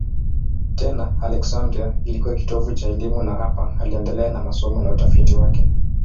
Tena Aleksandria ilikuwa kitovu cha elimu na hapa aliendelea na masomo na utafiti wake.